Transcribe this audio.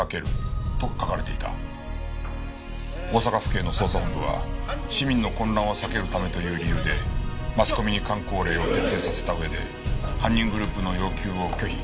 大阪府警の捜査本部は市民の混乱を避けるためという理由でマスコミにかん口令を徹底させたうえで犯人グループの要求を拒否。